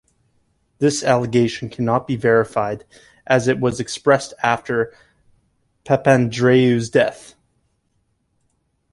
This allegation cannot be verified, as it was expressed after Papandreou's death.